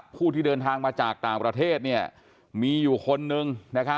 ผู้ที่เดินทางมาจากต่างประเทศมีอยู่คนนึง